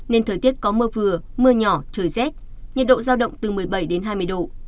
nên thời tiết có mưa vừa mưa nhỏ trời rét nhiệt độ giao động từ một mươi bảy đến hai mươi độ